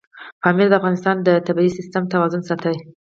پامیر د افغانستان د طبعي سیسټم توازن ساتي.